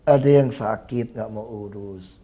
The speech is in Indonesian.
ada yang sakit nggak mau urus